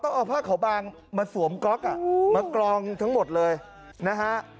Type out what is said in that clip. เอาผ้าขาวบางมาสวมก๊อกอ่ะมากรองทั้งหมดเลยนะฮะ